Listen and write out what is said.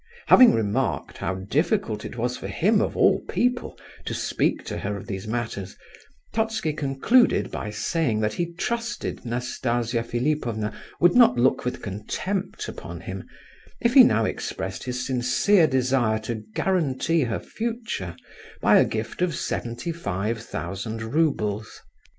Having remarked how difficult it was for him, of all people, to speak to her of these matters, Totski concluded by saying that he trusted Nastasia Philipovna would not look with contempt upon him if he now expressed his sincere desire to guarantee her future by a gift of seventy five thousand roubles.